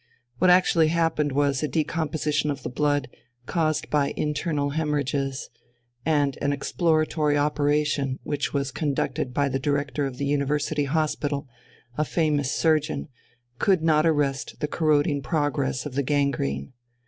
What actually happened was a decomposition of the blood, caused by internal hæmorrhages; and an exploratory operation, which was conducted by the Director of the University Hospital, a famous surgeon, could not arrest the corroding progress of the gangrene.